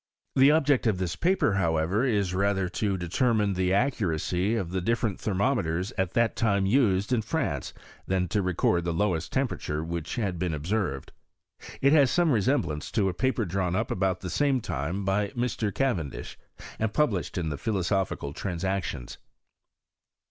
The object of this paper, however, is rather to determine the accuracy of the different thermometers at that time used in France, than to record the lowest temperature which had been observed. It has some resemblance to a paper drawn up about the same time by Mr. Ca irendish, and published in the Philosophical Trans ictions.